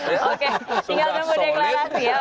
tinggal kamu deklarasi ya